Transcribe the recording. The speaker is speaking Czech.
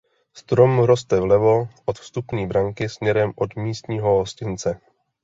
Strom roste vlevo od vstupní branky směrem od místního hostince.